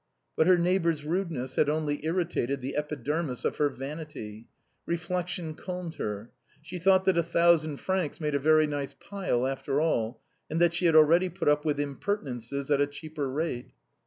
But her neighbor's rudeness had only irritated the epi dermis of her vanity; reflection calmed her; she thought that a tliousand francs made a very nice " pile," after all, and that she had already put up with impertinences at a cheaper rate.